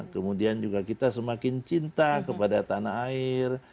kemudian juga kita semakin cinta kepada tanah air